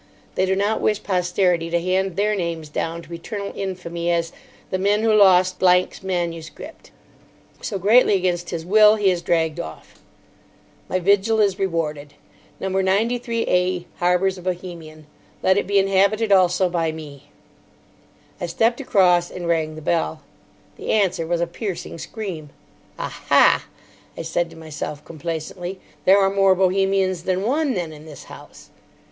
They do not wish Posterity to hand their names down to eternal infamy as "the men who lost Blank's manuscript." So, greatly against his will, he is dragged off. My vigil is rewarded. No. 93A harbours a Bohemian. Let it be inhabited also by me. I stepped across, and rang the bell. The answer was a piercing scream. "Ah, ha!" I said to myself complacently, "there are more Bohemians than one, then, in this house."